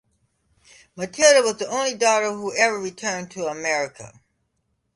Matilda was the only daughter who ever returned to America.